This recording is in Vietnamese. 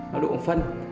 nó độ phân